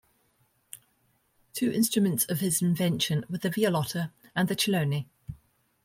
Two instruments of his invention were the violotta and the cellone.